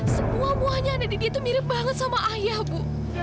semua muanya ada di dia tuh mirip banget sama ayah bu